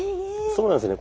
そうなんですよね。